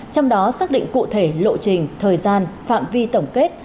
trong đó xác định cụ thể lộ trình thời gian phạm vi tổng kết